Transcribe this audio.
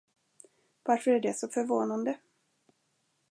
Varför är det så förvånande?